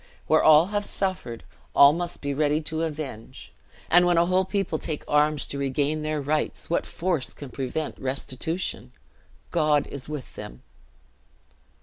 Where all have suffered, all must be ready to avenge; and when a whole people take up arms to regain their rights, what force can prevent restitution? God is with them!"